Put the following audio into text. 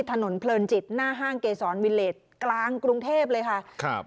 ถนนเพลินจิตหน้าห้างเกษรวิเลสกลางกรุงเทพเลยค่ะครับ